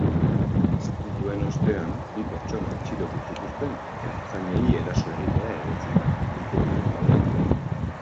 Istiluen ostean bi pertsona atxilotu zituzten ertzainei eraso egitea egotzita, iturrien arabera.